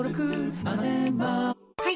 はい。